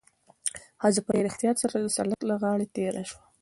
ښځه په ډېر احتیاط سره د سړک له غاړې تېره شوه.